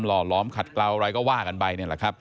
หล่อล้อมขัดกลาวอะไรก็ว่ากันไป